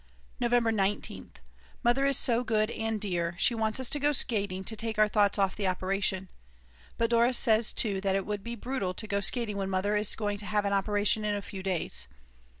November 19th. Mother is so good and dear; she wants us to go skating to take our thoughts off the operation. But Dora says too that it would be brutal to go skating when Mother is going to have an operation in a few days.